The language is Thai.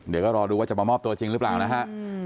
เดี๋ยวก็รอดูว่าจะมามอบตัวจริงหรือเปล่านะฮะ